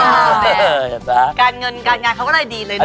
การเงินการงานเค้าก็เลยดีเลยเนอะ